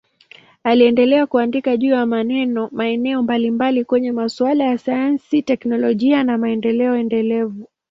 Aliendelea kuandika juu ya maeneo mbalimbali kwenye masuala ya sayansi, teknolojia na maendeleo endelevu.